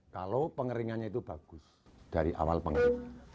kalau pengeringannya itu bagus dari awal pengaruh